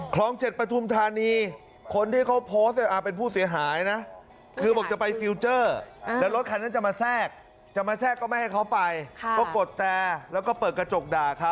เกิดเหตุการณ์นี้ครับ